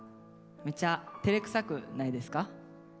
めちゃてれくさくないですか？